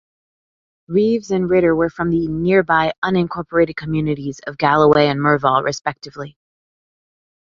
Reeves and Ritter were from the nearby unincorporated communities of Galloway and Murvaul, respectively.